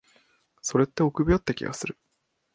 それって臆病って気がする。